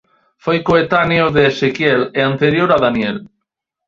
Foi coetáneo de Ezequiel e anterior a Daniel.